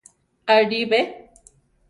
Aʼlí be?